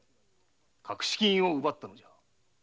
隠し金を奪ったのだ。